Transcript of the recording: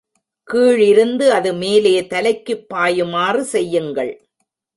கீழிருந்து அது மேலே தலைக்குப் பாயுமாறு செய்யுங்கள்.